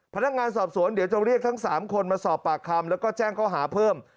พนักงานสอบสวนเดี๋ยวจะเรียกทั้ง๓คนมาสอบปากคำแล้วก็แจ้งข้อหาเพิ่ม